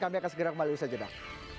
kami akan segera kembali usaha jeda